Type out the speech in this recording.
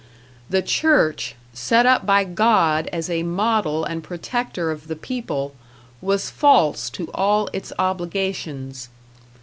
The Church, set up by God as a model and protector of the people, was false to all its obligations.